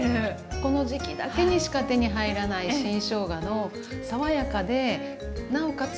この時期だけにしか手に入らない新しょうがの爽やかでなおかつ